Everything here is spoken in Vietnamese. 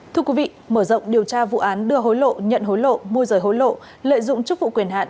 thưa quý vị mở rộng điều tra vụ án đưa hối lộ nhận hối lộ môi rời hối lộ lợi dụng chức vụ quyền hạn